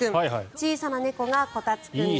小さな猫がこたつ君です。